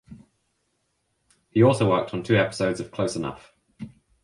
He also worked on two episodes of "Close Enough".